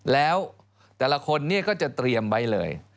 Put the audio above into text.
แล้วแต่ละคนเนี่ยก็จะเตรียมไว้เลย